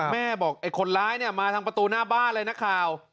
แม่บอกไอ้คนร้ายเนี่ยมาทางประตูหน้าบ้านเลยนักข่าว